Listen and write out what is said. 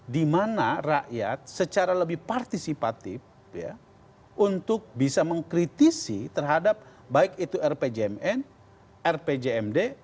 dimana rakyat secara lebih partisipatif untuk bisa mengkritisi terhadap baik itu rpjmn rpjmd